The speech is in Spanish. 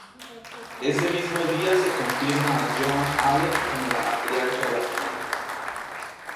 Ese mismo día se confirma a Joan Allen como la matriarca de la familia.